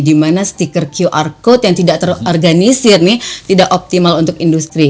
dimana stiker qr code yang tidak terorganisir nih tidak optimal untuk industri